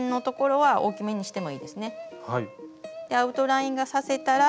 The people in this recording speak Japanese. はい。